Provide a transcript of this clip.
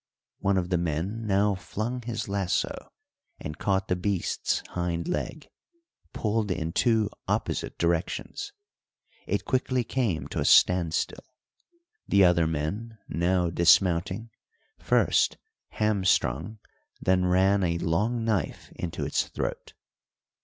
One of the men now flung his lasso and caught the beast's hind leg; pulled in two opposite directions, it quickly came to a standstill; the other men, now dismounting, first ham strung, then ran a long knife into its throat.